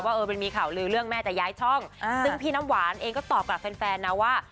เออมันมีข่าวลือเรื่องแม่จะย้ายช่องซึ่งพี่น้ำหวานเองก็ตอบกับแฟนนะว่า